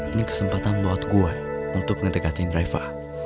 ini kesempatan buat gue untuk ngedekatin reva